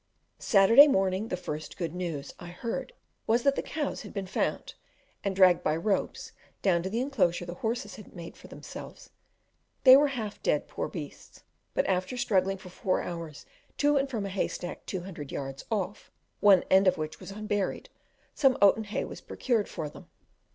Saturday morning: the first good news I heard was that the cows had been found, and dragged by ropes down to the enclosure the horses had made for them selves: they were half dead, poor beasts; but after struggling for four hours to and from a haystack two hundred yards off, one end of which was unburied, some oaten hay was procured for them.